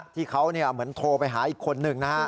ที่เขาเหมือนโทรไปหาอีกคนหนึ่งนะฮะ